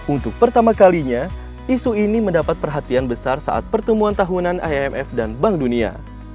untuk pertama kalinya isu ini mendapat perhatian besar saat pertemuan tahunan imf dan bank dunia